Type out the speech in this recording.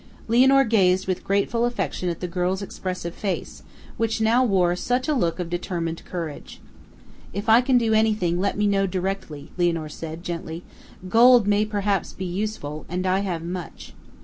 Lianor gazed with grateful affection at the girl's expressive face, which now wore such a look of determined courage. "If I can do anything, let me know directly," Lianor said, gently. "Gold may perhaps be useful, and I have much."